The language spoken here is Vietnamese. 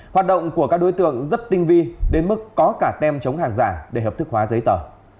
hoạt động của các đối tượng rất tinh vi đến mức có cả tem chống hàng giả để hợp thức hóa giấy tờ